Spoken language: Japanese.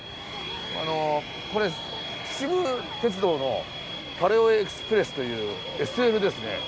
これ秩父鉄道のパレオエクスプレスというＳＬですね。